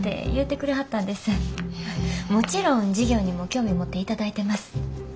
もちろん事業にも興味持っていただいてます。